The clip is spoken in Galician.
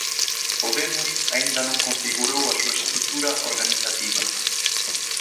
Podemos aínda non configurou a súa estrutura organizativa.